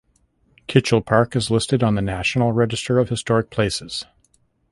Kitchell Park is listed on the National Register of Historic Places.